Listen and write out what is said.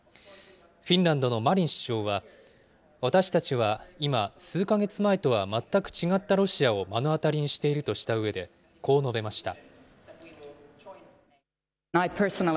フィンランドのマリン首相は、私たちは今、数か月前とは全く違ったロシアを目の当たりにしているとしたうえでこう述べました。